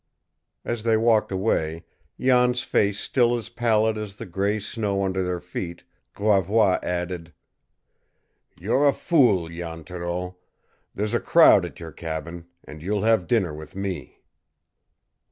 As they walked away, Jan's face still as pallid as the gray snow under their feet, Gravois added: "You're a fool, Jan Thoreau. There's a crowd at your cabin, and you'll have dinner with me."